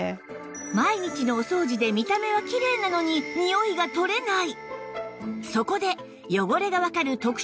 毎日のお掃除で見た目はきれいなのににおいが取れない